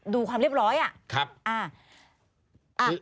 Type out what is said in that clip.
ดูความเรียบร้อยอ่ะ